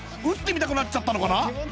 打ってみたくなっちゃったのかな？